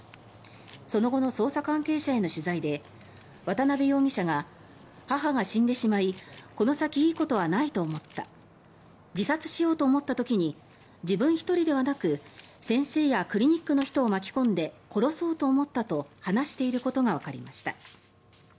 その後の捜査関係者への取材で渡辺容疑者が母が死んでしまいこの先いいことはないと思った自殺しようと思った時に自分１人ではなく先生やクリニックの人を巻き込んで殺そうと思ったと話していることがわかりました。